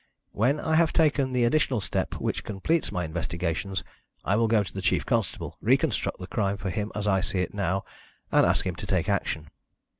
When I have taken the additional step which completes my investigations, I will go to the chief constable, reconstruct the crime for him as I see it now, and ask him to take action."